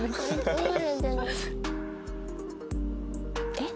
えっ？